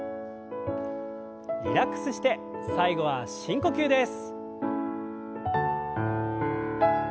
リラックスして最後は深呼吸です。